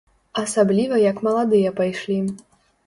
Асабліва як маладыя пайшлі.